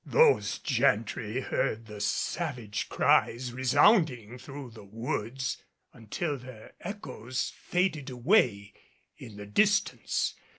Those gentry heard the savage cries resounding through the woods until their echoes faded away in the distance.